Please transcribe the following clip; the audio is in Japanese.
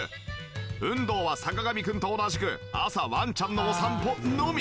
運動は坂上くんと同じく朝ワンちゃんのお散歩のみ。